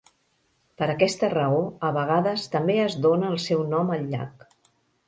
Per aquesta raó, a vegades també es dona el seu nom al llac.